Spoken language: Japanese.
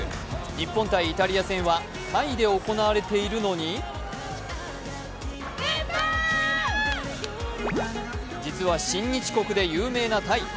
日本×イタリア戦でタイで行われているのに実は親日国で有名なタイ。